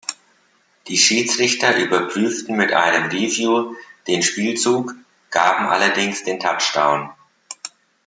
Die Schiedsrichter überprüften mit einem Review den Spielzug, gaben allerdings den Touchdown.